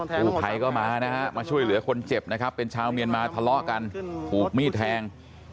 ผู้ภัยก็มานะฮะมาช่วยเหลือคนเจ็บนะครับเป็นชาวเมียนมาทะเลาะกันถูกมีดแทง